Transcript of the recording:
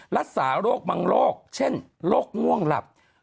รักษาโรคบางโรคเช่นโรคง่วงหลับ